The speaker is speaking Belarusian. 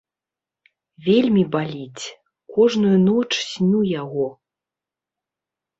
Вельмі баліць, кожную ноч сню яго.